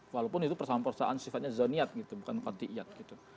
walaupun itu persampurnaan sifatnya zoniat gitu bukan konti iat gitu